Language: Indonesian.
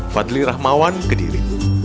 fadli rahmawan kediri